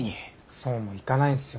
そうもいかないんすよ。